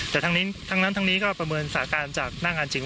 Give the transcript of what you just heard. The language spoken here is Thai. แต่ทั้งนั้นทั้งนี้ก็ประเมินสถานการณ์จากหน้างานจริง